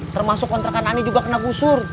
termasuk kontrakan ani juga kena busur